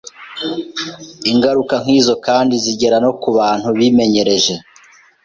Ingaruka nk’izo kandi zigera no ku bantu bimenyereje